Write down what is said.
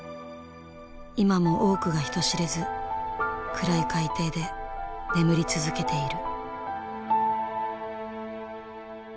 今も多くが人知れず暗い海底で眠り続けている。